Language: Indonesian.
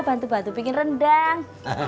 bantu bantu bikin rendang